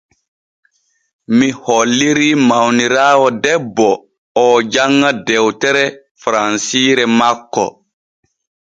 Mii hollira mawniraawo debbo oo janŋa dewtere faransiire makko.